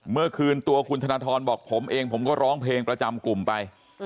เมื่อคืนตัวคุณธนทรบอกผมเองผมก็ร้องเพลงประจำกลุ่มไป